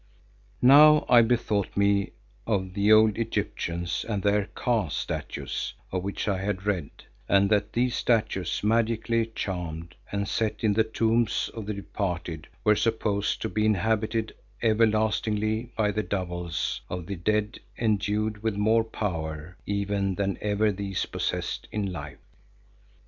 Now I bethought me of the old Egyptians and their Ka statues of which I had read, and that these statues, magically charmed and set in the tombs of the departed, were supposed to be inhabited everlastingly by the Doubles of the dead endued with more power even than ever these possessed in life.